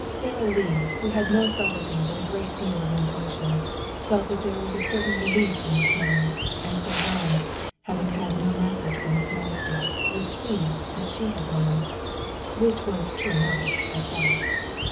Sara Lee, who had no subtlety but a great deal of intuition, felt that there was a certain relief in the smile, as though Jean, having had no message from his master, was pleased that she had none. Which was true enough, at that.